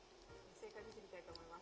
正解を見てみたいと思います。